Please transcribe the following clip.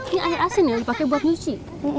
ini air asin ya pakai buat nyuci